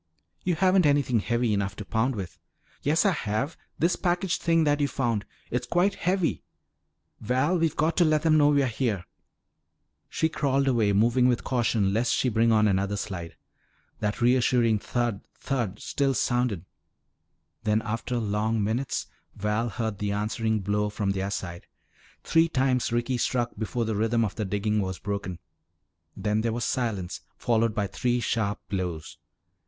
"You haven't anything heavy enough to pound with." "Yes, I have. This package thing that you found. It's quite heavy. Val, we've got to let them know we're here!" She crawled away, moving with caution lest she bring on another slide. That reassuring thud, thud still sounded. Then, after long minutes, Val heard the answering blow from their side. Three times Ricky struck before the rhythm of the digging was broken. Then there was silence followed by three sharp blows.